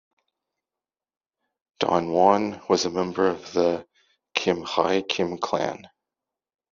Danwon was a member of the Gimhae Kim clan.